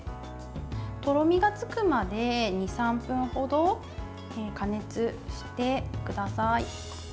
とろみがつくまで２３分ほど加熱してください。